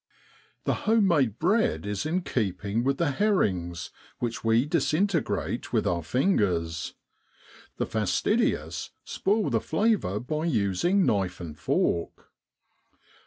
The home made bread is in keeping with the herrings, which we disintegrate with our fingers ; the fastidious spoil the flavour by using knife and fork.